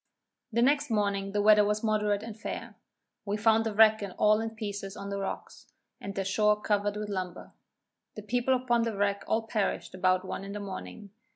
The next morning the weather was moderate and fair. We found the wreck all in pieces on the rocks, and the shore covered with lumber. The people upon the wreck all perished about one in morning.